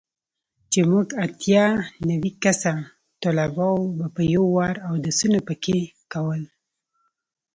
چې موږ اتيا نوي کسه طلباو به په يو وار اودسونه پکښې کول.